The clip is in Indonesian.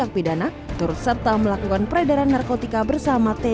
moobie aku yang beltsoman arma gerade uncle imian ada tuh koma orang ya bre